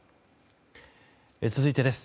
続いてです。